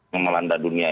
yang melanda dunia